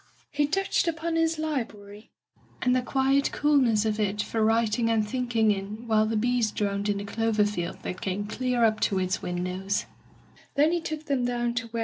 He touched upon his library, and the quiet coolness of it for writing and thinking in while the bees droned in the clover field that came clear up to its windows.